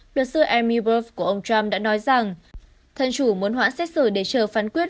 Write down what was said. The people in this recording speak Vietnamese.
luật sư emmiberf của ông trump đã nói rằng thân chủ muốn hoãn xét xử để chờ phán quyết